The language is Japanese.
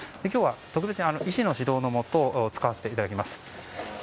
今日は特別に医師の指導のもと使わせていただきます。